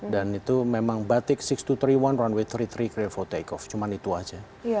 dan itu memang batik enam ribu dua ratus tiga puluh satu runway tiga puluh tiga clear for take off cuma itu saja